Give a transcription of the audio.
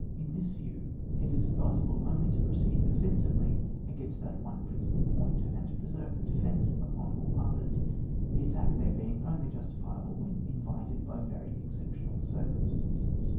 VOL. ni. < In this view, it is advisable only to pro ceed offensively against that one principal point, and to preserve the defensive upon all the others. The attack there being only justifiable when invited by very exceptional circumstances.